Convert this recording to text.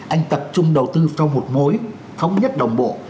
anh tập trung đầu tư cho một mối thống nhất đồng bộ